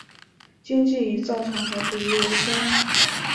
经济以造船和捕鱼为主。